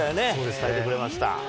伝えてくれました。